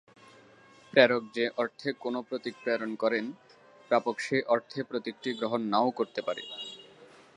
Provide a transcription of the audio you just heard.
প্রেরক যে অর্থে কোনও প্রতীক প্রেরণ করেন, প্রাপক সেই অর্থে প্রতীকটি গ্রহণ না-ও করতে পারে।